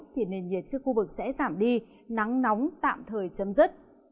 thì nền nhiệt trên khu vực sẽ giảm đi nắng nóng tạm thời chấm dứt